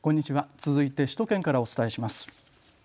続いて首都圏からお伝えします。